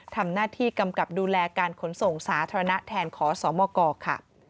ทำหน้าที่กำกับดูแลการขนส่งสาธารณะแทนขอสมกค่ะ